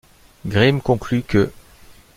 Grimm conclut qu'.